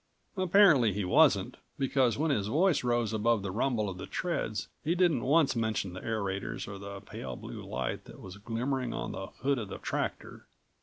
Apparently he wasn't, because when his voice rose above the rumble of the treads he didn't once mention the aerators or the pale blue light that was glimmering on the hood of the tractor.